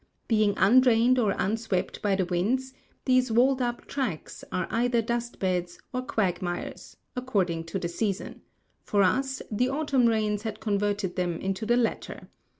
Being undrained or unswept by the winds, these walled up tracks are either dust beds or quagmires, according to the season; for us, the autumn rains had converted them into the latter.